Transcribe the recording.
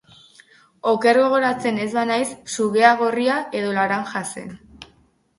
Oker gogoratzen ez banaiz, sugea gorria edo laranja zen.